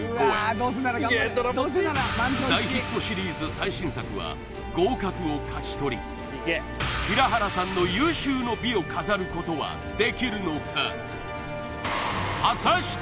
最新作は合格を勝ち取り平原さんの有終の美を飾ることはできるのか？